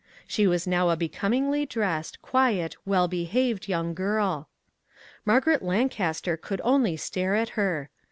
She was now a becom ingly dressed, quiet, well behaved young girl. Margaret Lancaster could only stare at her.